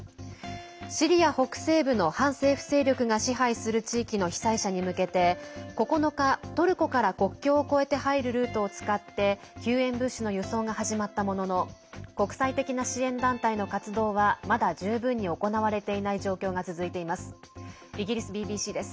シリア北西部の反政府勢力が支配する地域の被災者に向けて９日、トルコから国境を越えて入るルートを使って救援物資の輸送が始まったものの国際的な支援団体の活動はまだ十分に行われていない状況が続いています。